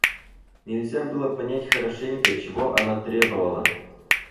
Нельзя было понять хорошенько, чего она требовала.